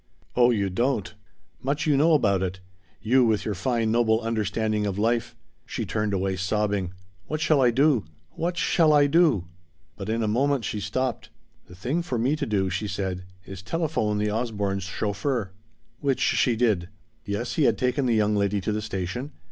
"Oh you don't. Much you know about it! You with your fine noble understanding of life!" She turned away, sobbing. "What shall I do? What shall I do?" But in a moment she stopped. "The thing for me to do," she said, "is telephone the Osbornes' chauffeur." Which she did. Yes, he had taken the young lady to the station.